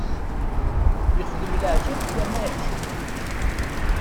Ixdem leεǧeb yerna yeḥǧeb.